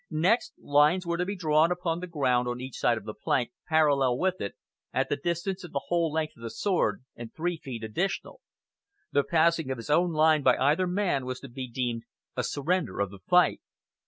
Next, lines were to be drawn upon the ground on each side of the plank, parallel with it, at the distance of the whole length of the sword and three feet additional. The passing of his own line by either man was to be deemed a surrender of the fight.